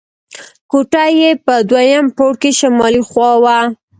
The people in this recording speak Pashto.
کوټه یې په دویم پوړ کې شمالي خوا وه.